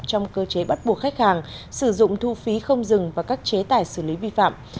trong cơ chế bắt buộc khách hàng sử dụng thu phí không dừng và các chế tài xử lý vi phạm